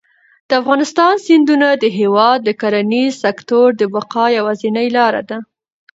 د افغانستان سیندونه د هېواد د کرنیز سکتور د بقا یوازینۍ لاره ده.